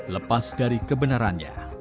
lepas dari kebenarannya